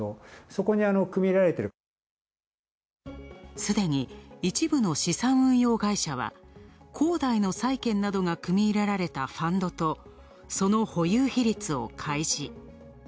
すでに、一部の資産運用会社は恒大の債権などが組み入れられたファンドとその保有比率を開示。